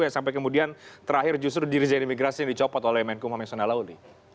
yang sampai kemudian terakhir justru diri jadi imigrasi yang dicopot oleh menkuma mesonalauli